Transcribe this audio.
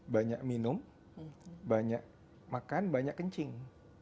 banyak minum banyak makan banyak kencing